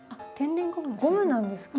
ゴムなんですか。